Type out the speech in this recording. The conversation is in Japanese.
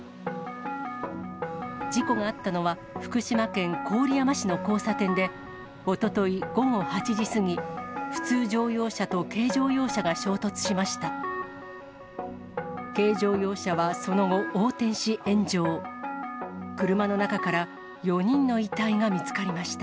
事故があったのは、福島県郡山市の交差点で、おととい午後８時過ぎ、普通乗用車と軽乗用車が衝突しました。